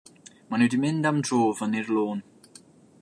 Mae nhw 'di mynd am dro fyny'r lôn.